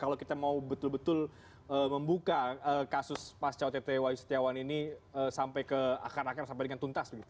kalau kita mau betul betul membuka kasus pascawa tty setiawan ini sampai ke akhir akhir sampai dengan tuntas